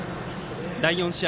第４試合